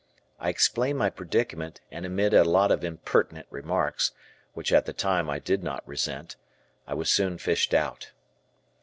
I explained my predicament and amid a lot of impertinent remarks, which at the time I did not resent, I was soon fished out.